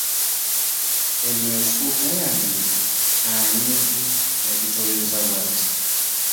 Eno esuuka yange ani yagitobeza bwati?